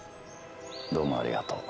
・どうもありがとう。